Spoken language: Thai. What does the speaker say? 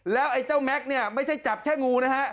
แล้วไอ้เจ้าแม็กซ์เนี่ยไม่ใช่จับแค่งูนะฮะ